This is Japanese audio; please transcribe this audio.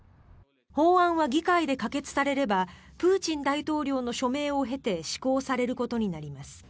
法案は議会で可決されればプーチン大統領の署名を経て施行されることになります。